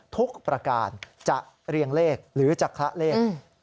ทุกประการจะเรียงเลขหรือจะคละเลข